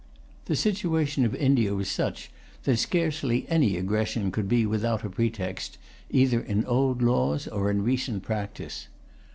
The situation of India was such that scarcely any aggression could be without a pretext, either in old laws or in recent practice.